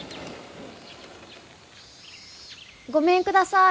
ごめんください。